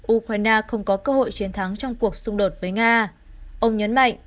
ukraine không có cơ hội chiến thắng trong cuộc xung đột với nga ông nhấn mạnh